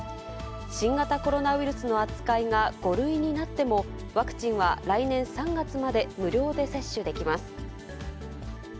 新型コロナウイルスの扱いが５類になっても、ワクチンは来年３月まで無料で接種できます。